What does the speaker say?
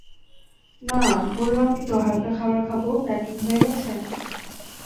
না, বললামই তো হালকা খাবার খাব প্যাকিং হয়ে গেছে?